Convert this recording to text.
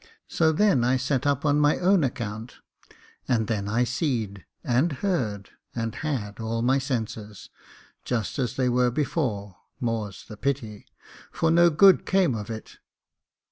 So I set up on my own account, and then I seed, and heard, and had all my senses, just as they were before — more's the pity, for no good came of it.